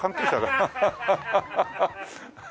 アハハハ。